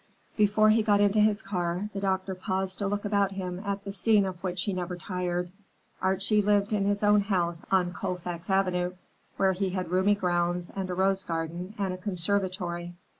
Before he got into his car, the doctor paused to look about him at the scene of which he never tired. Archie lived in his own house on Colfax Avenue, where he had roomy grounds and a rose garden and a conservatory.